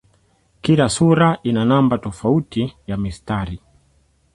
Kila sura ina namba tofauti ya mistari.